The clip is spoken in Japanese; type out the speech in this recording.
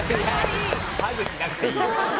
ハグしなくていいよ。